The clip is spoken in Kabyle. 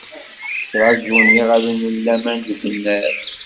Ttraǧun yiɣallen n laman deg unnar.